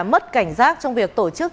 mất cảnh giác trong việc tổ chức